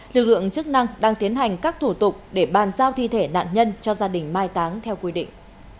lực lượng chức năng đang tiến hành các thủ tục để bàn giao thi thể nạn nhân cho gia đình mai táng theo quy định